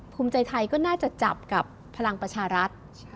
ภูมิใจไทยก็น่าจะจับกับพลังประชารัฐ